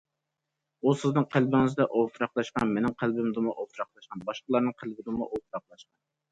ئۇ سىزنىڭ قەلبىڭىزدە ئولتۇراقلاشقان، مېنىڭ قەلبىمدىمۇ ئولتۇراقلاشقان، باشقىلارنىڭ قەلبىدىمۇ ئولتۇراقلاشقان.